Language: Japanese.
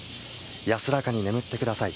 安らかに眠ってください。